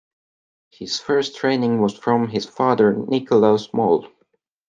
His first training was from his father Nikolaus Moll.